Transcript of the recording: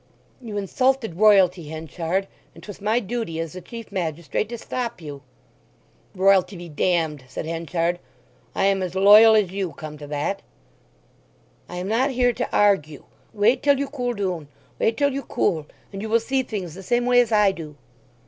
"You insulted Royalty, Henchard; and 'twas my duty, as the chief magistrate, to stop you." "Royalty be damned," said Henchard. "I am as loyal as you, come to that!" "I am not here to argue. Wait till you cool doon, wait till you cool; and you will see things the same way as I do."